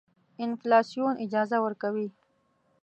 انفلاسیون اجازه ورکوي.